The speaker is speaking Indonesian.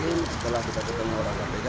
maka mungkin setelah kita ketemu orang lainnya